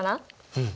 うん！